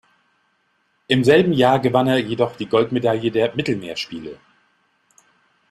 Im selben Jahr gewann er jedoch die Goldmedaille der Mittelmeerspiele.